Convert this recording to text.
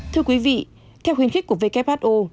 thưa quý vị theo khuyến khích của who